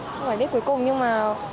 không phải đến cuối cùng nhưng mà